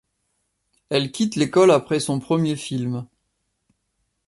Elle quitte l'école après son premier film.